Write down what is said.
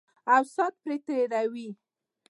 او سات پرې تېروي.